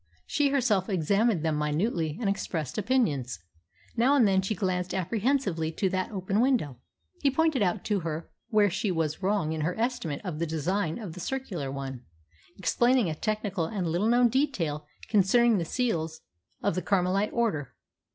She herself examined them minutely and expressed opinions. Now and then she glanced apprehensively to that open window. He pointed out to her where she was wrong in her estimate of the design of the circular one, explaining a technical and little known detail concerning the seals of the Carmelite order.